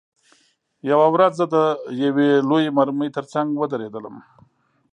یوه ورځ زه د یوې لویې مرمۍ ترڅنګ ودرېدم